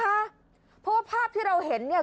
เพราะว่าภาพที่เราเห็นเนี่ย